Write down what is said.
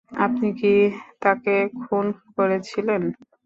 আপনি কি তাকে খুন করেছিলেন?